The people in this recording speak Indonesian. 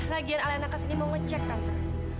lagian alena kesini mau ngecek nanti